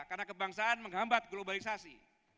karena kebangsaan menghambat globalisasi